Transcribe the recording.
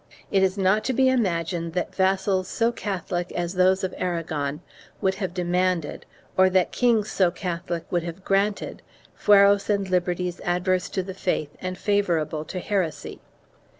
It is not to be imagined that vassals so Catholic as those of Aragon would have demanded, or that kings so Catholic would have granted, fueros and liberties adverse to the faith and favorable to heresy.